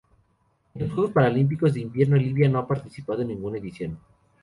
En los Juegos Paralímpicos de Invierno Libia no ha participado en ninguna edición.